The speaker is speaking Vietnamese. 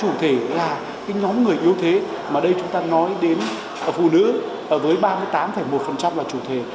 chủ thể là nhóm người yếu thế mà đây chúng ta nói đến phụ nữ với ba mươi tám một là chủ thể